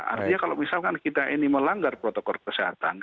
artinya kalau misalkan kita ini melanggar protokol kesehatan